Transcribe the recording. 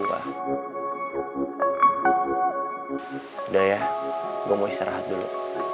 udah ya gue mau istirahat dulu